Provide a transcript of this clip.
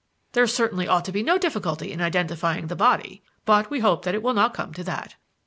There certainly ought to be no difficulty in identifying the body. But we hope that it will not come to that.